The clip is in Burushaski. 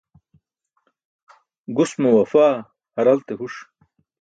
Gus mo wafaa haralte huṣ